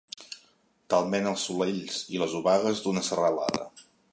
Talment els solells i les obagues d'una serralada.